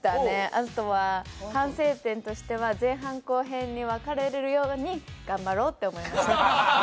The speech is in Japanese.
あとは反省点としては、前半・後半に分かれるように頑張ろうって思いました。